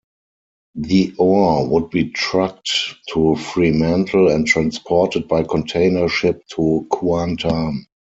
The ore would be trucked to Fremantle and transported by container ship to Kuantan.